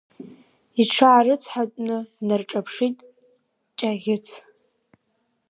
Иҽаарыцҳатәны днарҿаԥшит Ҷаӷьыц.